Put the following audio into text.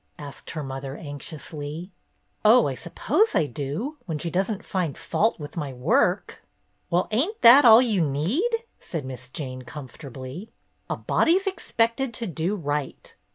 asked her mother, anxiously. " Oh, I suppose I do, when she does n't find fault with my work." "Well, ain't that all you need ?" said Miss Jane, comfortably. "A body's expected to do right.